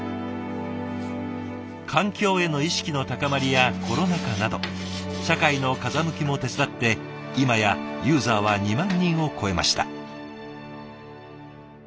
環境への意識の高まりやコロナ禍など社会の風向きも手伝って今やユーザーは２万人を超えました。